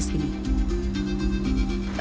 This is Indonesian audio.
dan mengurangi ketergantungan